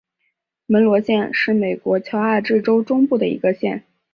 门罗县是美国乔治亚州中部的一个县。